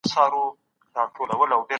ایمي د ذهني ستړیا له امله خفه وه.